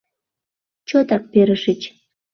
— Чотак перышыч...